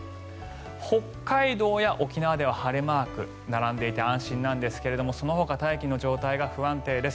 北海道や沖縄では晴れマークが並んでいて安心ですがそのほか大気の状態が不安定です。